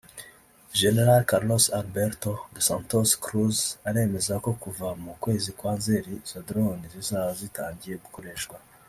Gen Carlos Alberto Dos Santos Cruz aremeza ko kuva mu kwezi kwa Nzeri izo Drones zizaba zatangiye gukoreshwa